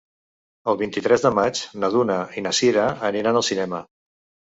El vint-i-tres de maig na Duna i na Sira aniran al cinema.